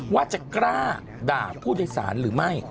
ว่าจะกล้าด่าผู้โดยสารหรือไม่